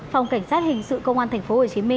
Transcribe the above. phòng cảnh sát hình sự công an tp hcm